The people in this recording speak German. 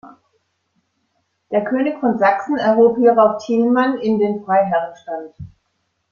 Der König von Sachsen erhob hierauf Thielmann in den Freiherrenstand.